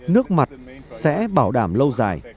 nước mặt sẽ bảo đảm lâu dài